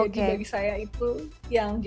jadi bagi saya itu yang jadinya